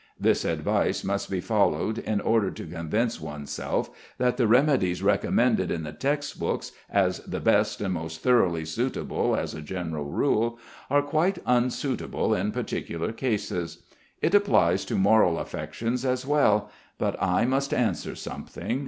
This advice must be followed in order to convince one's self that the remedies recommended in the text books as the best and most thoroughly suitable as a general rule, are quite unsuitable in particular cases. It applies to moral affections as well. But I must answer something.